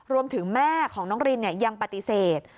รวมถึงแม่ของน้องรินเนี่ยยังปฏิเสธ